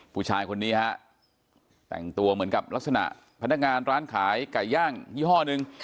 ผู้ชายคนนี้ฮะแต่งตัวเหมือนกับลักษณะพนักงานร้านขายไก่ย่างยี่ห้อหนึ่ง